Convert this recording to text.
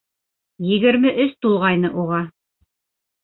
— Егерме өс тулғайны уға.